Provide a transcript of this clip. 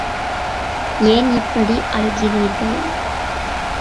ஏன் இப்படி அழுகிறீர்கள்?